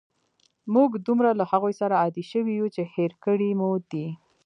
موږ دومره له هغوی سره عادی شوي یو، چې هېر کړي مو دي.